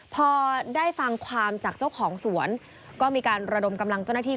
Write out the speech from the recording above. พอได้ฟังความจากเจ้าของสวนก็มีการระดมกำลังเจ้าหน้าที่